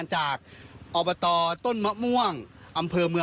นี่แหละนี่แหละนี่แหละนี่แหละ